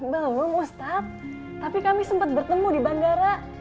belum ustaz tapi kami sempet bertemu di bandara